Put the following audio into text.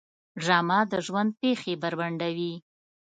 ډرامه د ژوند پېښې بربنډوي